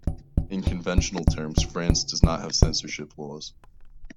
In conventional terms, France does not have censorship laws.